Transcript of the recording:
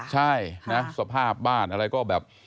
ใช่นะสภาพบ้านอะไรก็แบบ